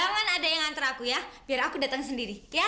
nanti ada yang anter aku ya biar aku datang sendiri ya